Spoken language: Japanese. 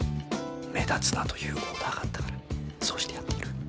目立つなというオーダーがあったからそうしてやっている。